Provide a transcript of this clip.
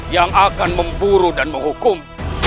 yang akan memburu dan menghukum